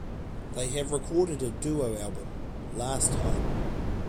They have recorded a duo album, "Last Home".